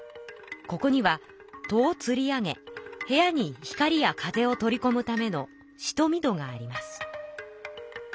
ここには戸をつり上げ部屋に光や風を取りこむためのしとみ戸があります。